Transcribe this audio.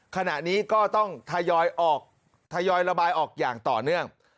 ขณะนี้ก็ต้องทยอยออกทยอยระบายออกอย่างต่อเนื่อง